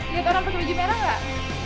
liat orang pake baju merah gak